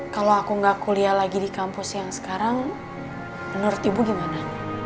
kalau aku gak kuliah lagi di kampus yang sekarang menurut ibu gimana